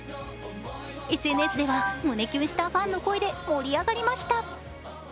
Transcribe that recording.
ＳＮＳでは胸キュンしたファンの声で盛り上がりました。